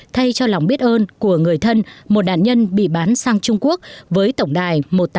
thay cho lòng biết ơn của người thân một nạn nhân bị bán sang trung quốc với tổng đài một tám không không một năm sáu bảy